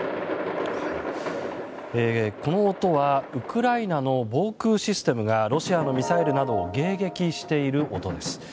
この音はウクライナの防空システムがロシアのミサイルなどを迎撃している音です。